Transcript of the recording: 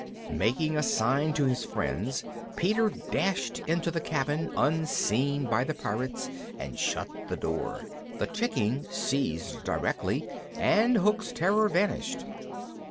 Making a sign to his friends, Peter dashed into the cabin, unseen by the Pirates, and shut the door. The ticking ceased directly, and Hook's terror vanished.